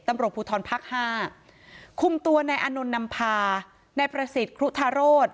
ตำรวจภูทลพัก๕คุมตัวนะยานนนำพาแน่ประศิษฐ์คุทธารถ